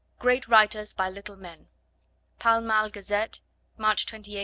GREAT WRITERS BY LITTLE MEN (Pall Mall Gazette, March 28, 1887.)